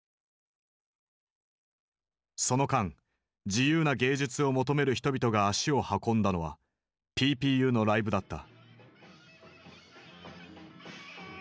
その間自由な芸術を求める人々が足を運んだのはＰＰＵのライブだった。